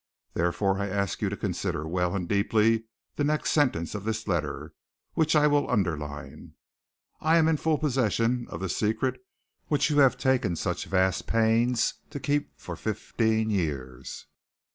Therefore I ask you to consider well and deeply the next sentence of this letter which I will underline. "I am in full possession of the secret which you have taken such vast pains to keep for fifteen years.